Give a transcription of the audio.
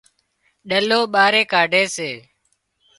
ڏلو ٻاري ڪاڍي سي